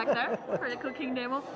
untuk memasak demo